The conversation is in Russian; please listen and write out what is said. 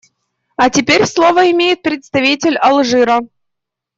А теперь слово имеет представитель Алжира.